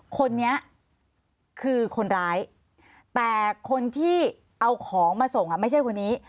คนนี้คือคนร้ายแต่คนที่เอาของมาส่งไม่ใช่คนนี้